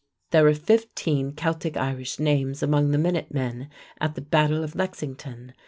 There were fifteen Celtic Irish names among the Minute Men at the Battle of Lexington.